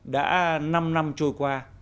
đã năm năm trôi qua